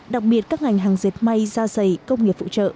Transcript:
đặc biệt các ngành hàng dệt may da dày công nghiệp phụ trợ